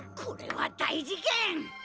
これは大事件！